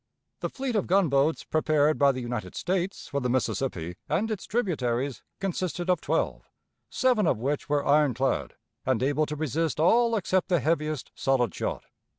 The fleet of gunboats prepared by the United States for the Mississippi and its tributaries consisted of twelve, seven of which were iron clad, and able to resist all except the heaviest solid shot.